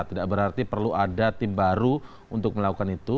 tidak berarti perlu ada tim baru untuk melakukan itu